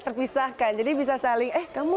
terpisahkan jadi bisa saling eh kamu